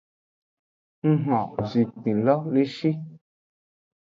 Ng xo zinkpin lo le shi.